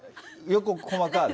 よく、細かあ。